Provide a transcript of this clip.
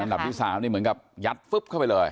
ดับที่๓นี่เหมือนกับยัดฟึ๊บเข้าไปเลย